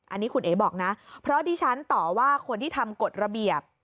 อันนี้คุณเอ๋บอกนะเพราะดิฉันต่อว่าคนที่ทำกฎระเบียบ